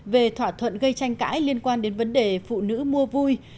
về thỏa thuận gây tranh cãi liên quan đến vấn đề phụ nữ mua vui